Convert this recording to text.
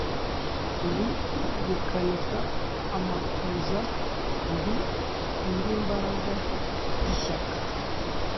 ndi rukanika amakuza, ndi nyilimbaraga y'ishyaka,